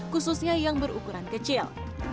khususnya yang berukuran kecil